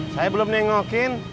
saya belum nengokin